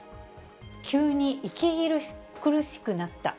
急に息苦しくなった。